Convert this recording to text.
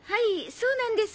そうなんです。